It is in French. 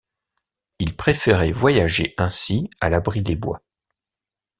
Il préférait voyager ainsi à l’abri des bois.